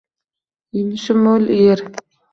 Yumushi mo’l Yer.